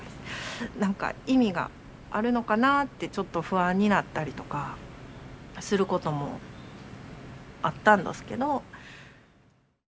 なんか意味があるのかなってちょっと不安になったりとかすることもあったんどすけど。